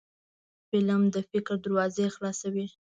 فلم د فکر دروازې خلاصوي